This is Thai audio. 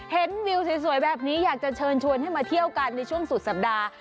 วิวสวยแบบนี้อยากจะเชิญชวนให้มาเที่ยวกันในช่วงสุดสัปดาห์